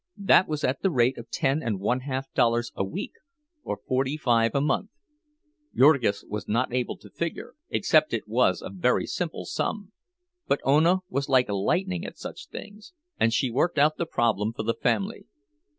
That was at the rate of ten and one half dollars a week, or forty five a month. Jurgis was not able to figure, except it was a very simple sum, but Ona was like lightning at such things, and she worked out the problem for the family.